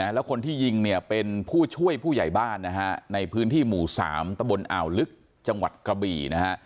แล้วคนที่ยิงเนี่ยเป็นผู้ช่วยผู้ใหญ่บ้านนะฮะในพื้นที่หมู่๓ตะบนอ่าวลึกจังหวัดกระบี่นะฮะ